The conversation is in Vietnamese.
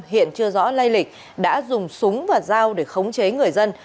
hiện chưa rõ lây lịch đã dùng súng và dao để khống chế người dân